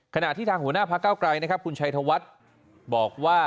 ขณะที่ทางหัวหน้าภาคก้าวไกลคุณชัยธวัฒน์บอกว่า